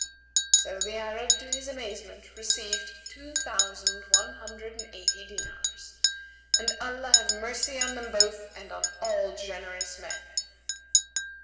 So the Arab to his amazement, received two thousand one hundred and eighty dinars, and Allah have mercy on them both and on all generous men!